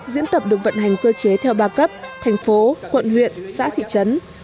diễn tập được vận hành cơ chế theo ba cấp thành phố quận huyện xã thị trấn